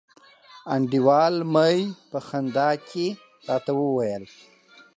انډیوال می په خندا کي راته وویل